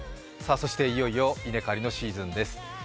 いよいよ稲刈りのシーズンです。